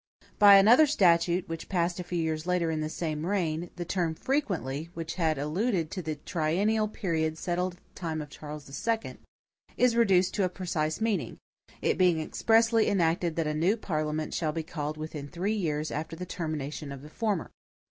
By another statute, which passed a few years later in the same reign, the term "frequently," which had alluded to the triennial period settled in the time of Charles II, is reduced to a precise meaning, it being expressly enacted that a new parliament shall be called within three years after the termination of the former.